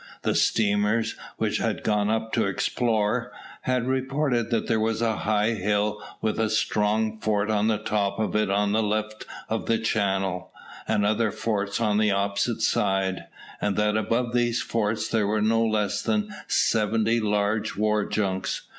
The steamers, which had gone up to explore, had reported that there was a high hill with a strong fort on the top of it on the left of the channel, and other forts on the opposite side, and that above these forts there were no less than seventy large war junks.